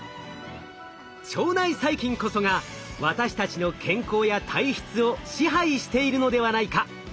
腸内細菌こそが私たちの健康や体質を支配しているのではないか。